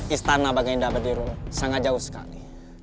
istana bagainda berdiru sangat jauh sekali